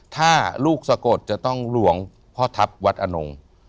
ถ้าลูกสะกดจะต้องหลวงพ่อทัพวัดอนง